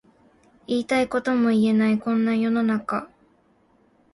言いたいことも言えないこんな世の中